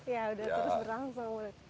iya udah terus berlangsung